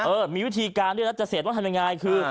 เออมีวิธีการด้วยนะจะเสร็จว่าทำยังไงคือ